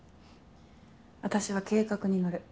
私は計画に乗る。